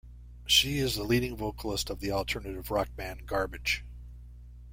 She is the lead vocalist of the alternative rock band Garbage.